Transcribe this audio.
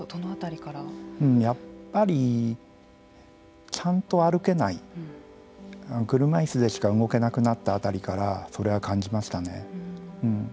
やっぱりちゃんと歩けない車いすでしか動けなくなった辺りからそれは感じましたね。